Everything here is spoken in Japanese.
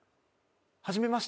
初めましての方？